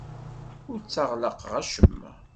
Ur tteɣlaqeɣ acemma.